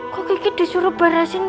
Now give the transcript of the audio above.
kok ini disuruh beresin